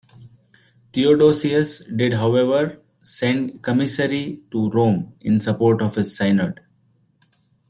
Theodosius, did however, send commissaries to Rome in support of his synod.